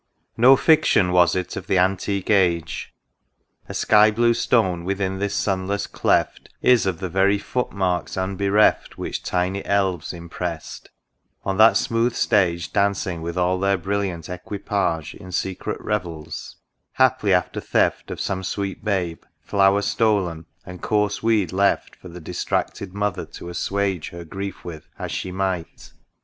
No fiction was it of the antique age : A sky blue stone, within this sunless cleft, Is of the very foot marks unbereft Which tiny Elves impressed ;— on that smooth stage Dancing with all their brilliant equipage In secret revels — haply after theft Of some sweet babe, flower stolen, and coarse weed left, For the distracted mother to assuage Her grief with, as she might